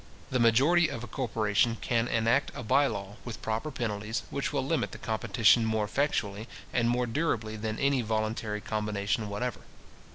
The majority of a corporation can enact a bye law, with proper penalties, which will limit the competition more effectually and more durably than any voluntary combination whatever.